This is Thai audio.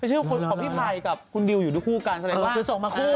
ชื่อของพี่ภัยกับคุณดิวอยู่ด้วยคู่กันแสดงว่าคือส่งมาคู่